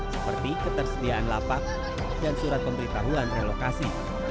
seperti ketersediaan lapak dan surat pemberitahuan relokasi